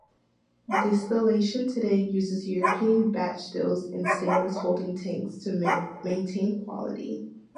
Distillation today uses European batch stills and stainless holding tanks to maintain quality.